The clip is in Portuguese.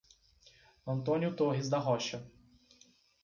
Antônio Torres da Rocha